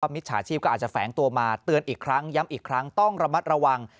มิจฉาชีพก็อาจจะแฝงตัวมาเตือนอีกครั้งย้ำอีกครั้งต้องระมัดระวัง